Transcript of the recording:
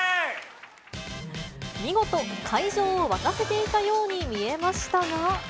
見事、会場を沸かせていたように見えましたが。